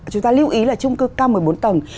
chúng ta lưu ý là trung cư cao một mươi bốn tầng